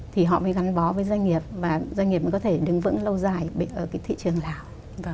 thì họ mới gắn bó với doanh nghiệp và doanh nghiệp mới có thể đứng vững lâu dài ở cái thị trường lào